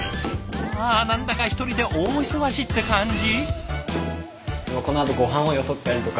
わあ何だか１人で大忙しって感じ？